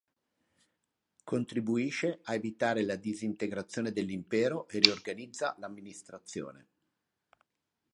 Contribuisce a evitare la disintegrazione dell'Impero e riorganizza l'amministrazione.